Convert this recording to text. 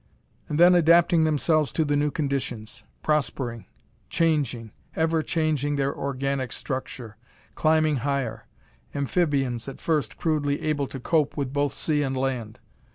And then adapting themselves to the new conditions. Prospering. Changing, ever changing their organic structure; climbing higher. Amphibians at first crudely able to cope with both sea and land.